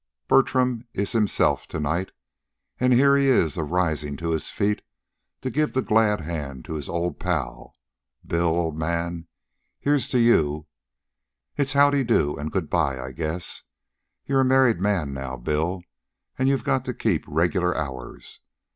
"Bertram is himself to night. An' he is here, arisin' to his feet to give the glad hand to his old pal. Bill, old man, here's to you. It's how de do an' good bye, I guess. You're a married man now, Bill, an' you got to keep regular hours.